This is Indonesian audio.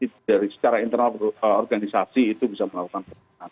dari secara internal organisasi itu bisa melakukan